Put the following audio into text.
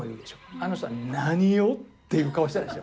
あの人は「なにを！？」っていう顔したでしょ。